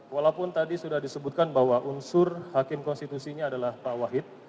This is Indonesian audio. walaupun tadi sudah disebutkan bahwa unsur hakim konstitusinya adalah pak wahid